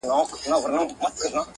او تاسو خپه کيږئ